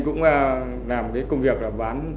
cũng làm công việc là bán